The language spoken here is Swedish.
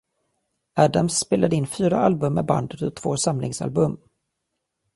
Adams spelade in fyra album med bandet och två samlingsalbum.